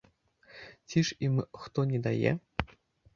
Ці ж ім хто не дае?